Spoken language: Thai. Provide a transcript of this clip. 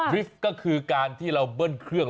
วิฟต์ก็คือการที่เราเบิ้ลเครื่อง